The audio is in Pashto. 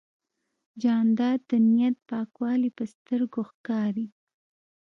جانداد د نیت پاکوالی په سترګو ښکاري.